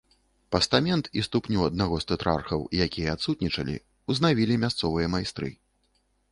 Пастамент і ступню аднаго з тэтрархаў, якія адсутнічалі, узнавілі мясцовыя майстры.